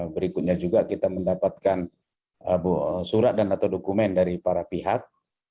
berikutnya juga kita mendapatkan surat dan atau dokumen dari para pihak